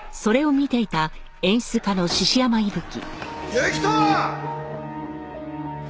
行人！！